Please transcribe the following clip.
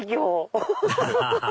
アハハハ